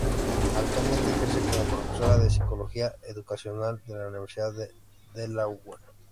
Actualmente ejerce como profesora de psicología educacional en la Universidad de Delaware.